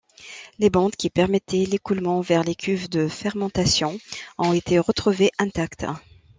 Les bondes qui permettaient l'écoulement vers les cuves de fermentation ont été retrouvées intactes.